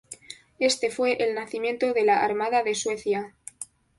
Este fue el nacimiento de la Armada de Suecia.